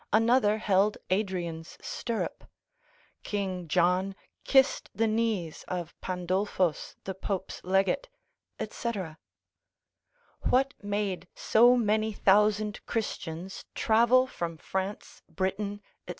another held Adrian's stirrup, King John kissed the knees of Pandulphos the Pope's legate, See. What made so many thousand Christians travel from France, Britain, &c.